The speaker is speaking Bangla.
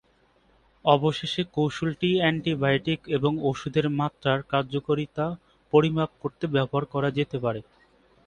অবশেষে, কৌশলটি অ্যান্টিবায়োটিক এবং ওষুধের মাত্রার কার্যকারিতা পরিমাপ করতে ব্যবহার করা যেতে পারে।